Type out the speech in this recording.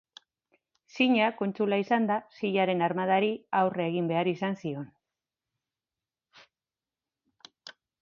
Zina, kontsula izanda, Silaren armadari aurre egin behar izan zion.